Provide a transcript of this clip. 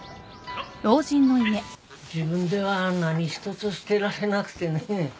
自分では何一つ捨てられなくてね。